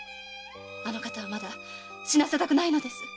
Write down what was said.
あの方はまだ死なせたくないのです。